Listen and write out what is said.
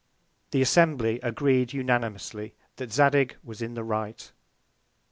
The Assembly agreed unanimously that Zadig was in the Right.